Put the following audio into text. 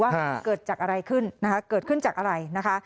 ว่าเกิดจากอะไรขึ้นนะคะเกิดขึ้นจากอะไรนะคะ